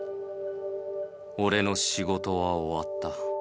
俺の仕事は終わった。